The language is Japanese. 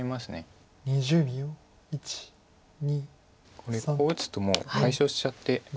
これこう打つともう解消しちゃって。